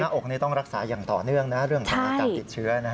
หน้าอกต้องรักษาอย่างต่อเนื่องเรื่องอาการติดเชื้อ